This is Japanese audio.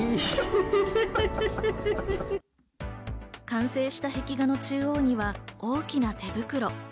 完成した壁画の中央には大きなてぶくろ。